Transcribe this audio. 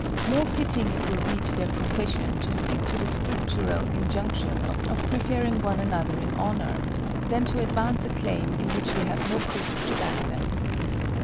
More fitting it will be to their profession to stick to the scriptural injunction of preferring one another in honor, than to advance a claim in which they have no proofs to back them.